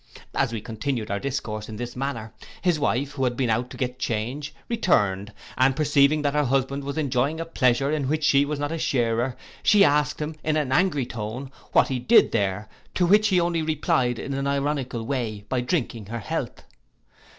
As we continued our discourse in this manner, his wife, who had been out to get change, returned, and perceiving that her husband was enjoying a pleasure in which she was not a sharer, she asked him, in an angry tone, what he did there, to which he only replied in an ironical way, by drinking her health.